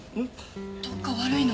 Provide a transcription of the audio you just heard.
どっか悪いの？